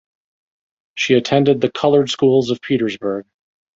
She attended the Colored Schools of Petersburg.